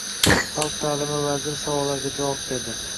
Xalq ta’limi vaziri savollarga javob berdi